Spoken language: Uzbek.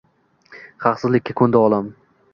Haqsizlikka ko’ndi olam